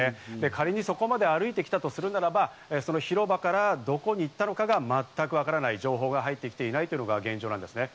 仮にそこまで歩いてきたとするならば広場からどこまで行ったのか全くわからない、情報が入ってきていないというのが現状です。